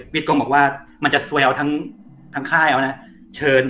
วิดกรมน์ก็บอกว่ามันจะสว่ายทั้งค่ายอะไรนะ